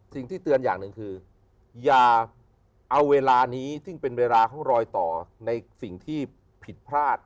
สิ่งที่เตือนอย่างหนึ่งคืออย่าเอาเวลานี้ซึ่งเป็นเวลาของรอยต่อในสิ่งที่ผิดพลาด